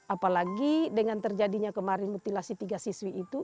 apalagi dengan terjadinya kemarin mutilasi tiga siswi itu